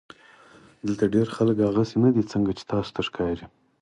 دلته ډېر خلک هغسې نۀ دي څنګه چې تاسو ته ښکاري